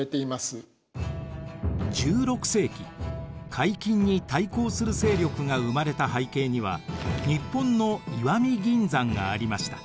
海禁に対抗する勢力が生まれた背景には日本の石見銀山がありました。